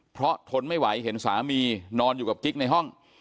เพราะทนไม่ไหวเห็นสามีนอนอยู่กับกิ๊กในห้อง